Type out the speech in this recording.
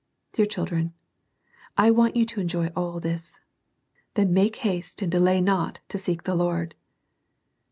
Dear children, I want you to enjoy all this. Then make haste and delay not to seek the Lord.